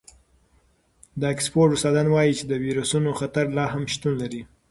د اکسفورډ استادان وايي چې د وېروسونو خطر لا هم شتون لري.